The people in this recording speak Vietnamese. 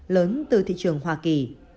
lớn từ thị trường hoa kỳ